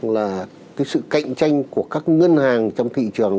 là cái sự cạnh tranh của các ngân hàng trong thị trường